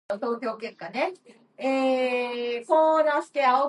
Jeremy Jaynes attended high school in Baton Rouge, Louisiana.